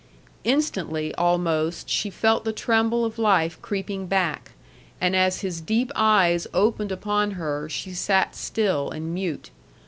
Instantly, almost, she felt the tremble of life creeping back, and as his deep eyes opened upon her she sat still and mute.